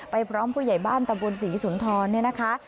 พร้อมผู้ใหญ่บ้านตำบลศรีสุนทรเนี่ยนะคะ